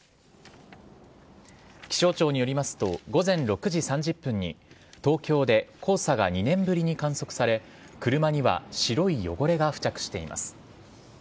気象庁によりますと午前６時３０分に東京で黄砂が２年ぶりに観測され車には白い汚れが付着しています。